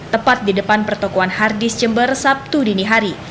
tepat di depan pertokohan hardis jember sabtu dini hari